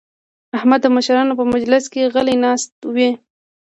احمد د مشرانو په مجلس کې غلی ناست وي.